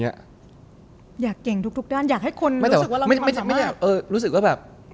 อยากเก่งทุกด้านอยากให้คนรู้สึกว่ามีความสามารถ